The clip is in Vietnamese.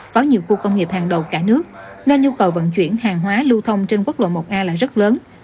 có nhiều khu công nghiệp hàng đầu cả nước nên nhu cầu vận chuyển hàng hóa lưu thông trên quốc lộ một a là rất lớn